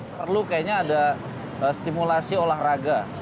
perlu kayaknya ada stimulasi olahraga